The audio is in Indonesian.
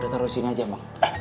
udah taruh disini aja emang